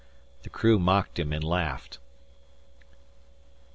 The crew mocked him and laughed.